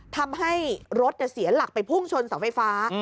ทำให้รถเสียหลักไปพุ่งชนเสาไฟฟ้า